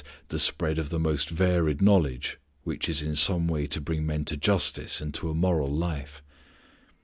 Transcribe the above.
_ the spread of the most varied knowledge which is in some way to bring men to justice and to a moral life.